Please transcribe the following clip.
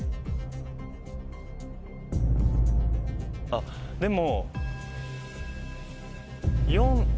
あっでも。